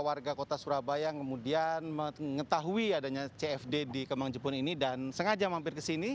warga kota surabaya kemudian mengetahui adanya cfd di kemang jepun ini dan sengaja mampir ke sini